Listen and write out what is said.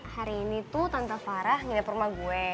hari ini tuh tanpa farah nginep rumah gue